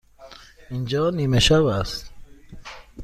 اینجا نیمه شب است.